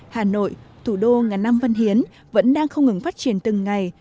hà nội thủ đô ngàn năm văn hiến vẫn đang không ngừng phát triển từng ngày